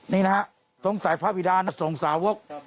นี่นะครับสงสัยพระบิดาสงสามวก